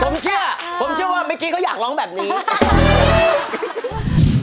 ผมเชื่อผมเชื่อว่าเมื่อกี้เขาอยากร้องแบบนี้